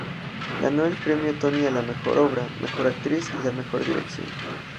Ganó el Premio Tony a la mejor obra, mejor actriz y la mejor dirección.